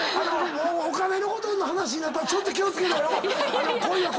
お金のことの話になったらちょっと気を付けろよ！